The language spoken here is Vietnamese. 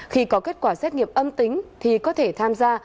khi có kết quả xét nghiệm âm tính thì có thể tham gia